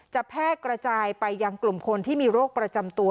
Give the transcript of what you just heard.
แพร่กระจายไปยังกลุ่มคนที่มีโรคประจำตัว